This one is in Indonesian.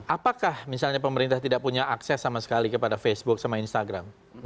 apakah misalnya pemerintah tidak punya akses sama sekali kepada facebook sama instagram